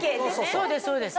そうです。